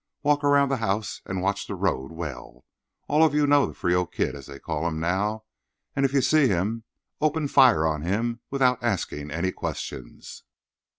Walk around the house and watch the road well. All of you know the 'Frio Kid,' as they call him now, and if you see him, open fire on him without asking any questions.